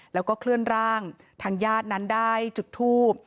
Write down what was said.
แล้วก็เคลื่อนร่างทางญาตินั้นได้จุดทูบ